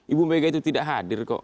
ibu mega itu tidak hadir kok